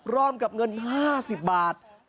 ร่วมกับเงิน๕๐บาท